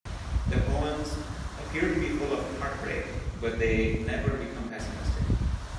The poems appear to be full of heartbreak but they never become pessimistic.